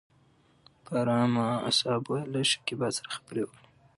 په ارامه اصابو يې له شکيبا سره خبرې وکړې.